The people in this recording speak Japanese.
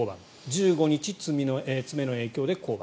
１５日、爪の影響で降板。